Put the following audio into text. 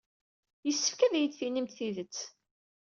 Yessefk ad iyi-d-tinimt tidet.